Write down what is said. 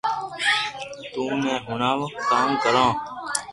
تو ئي ھڻاو ڪاو ڪرو